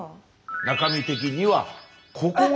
中身的にはここが。